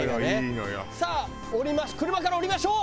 「さあ車から降りましょう！」。